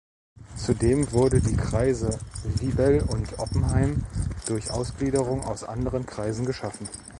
Zudem wurde die Kreise Vilbel und Oppenheim durch Ausgliederung aus anderen Kreisen geschaffen.